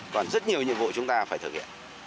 còn rất nhiều nhiệm vụ chúng ta phải thực hiện